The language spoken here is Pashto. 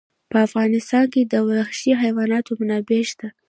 په افغانستان کې د وحشي حیوانات منابع شته.